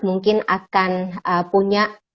mungkin akan punya